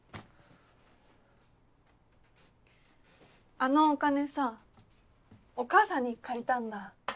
あのお金さお母さんに借りたんだ。